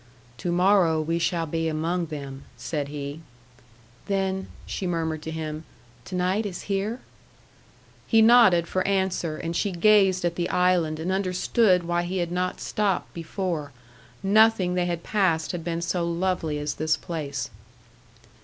"To morrow we shall be among them," said he. "Then," she murmured to him, "to night is here?" He nodded for answer, and she gazed at the island and understood why he had not stopped before; nothing they had passed had been so lovely as this place.